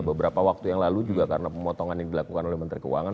beberapa waktu yang lalu juga karena pemotongan yang dilakukan oleh menteri keuangan